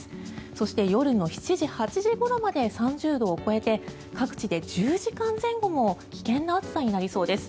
そして、夜の７時、８時ごろまで３０度を超えて各地で１０時間前後も危険な暑さになりそうです。